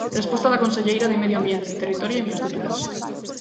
Resposta da conselleira de Medio Ambiente, Territorio e Infraestruturas.